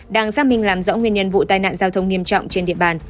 đang xác minh làm rõ nguyên nhân vụ tai nạn giao thông nghiêm trọng trên địa bàn